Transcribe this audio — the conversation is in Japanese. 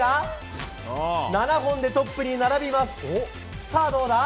７本でトップに並びます。